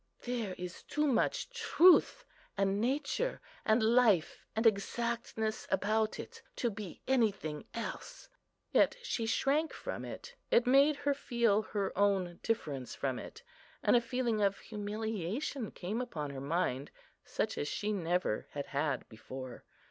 There is too much truth and nature, and life and exactness about it, to be anything else." Yet she shrank from it; it made her feel her own difference from it, and a feeling of humiliation came upon her mind, such as she never had had before.